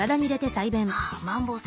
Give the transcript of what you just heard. あマンボウさん